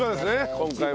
今回も。